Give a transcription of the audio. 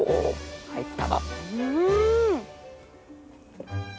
うん！